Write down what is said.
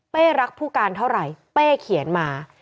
รักผู้การเท่าไหร่เป้เขียนมา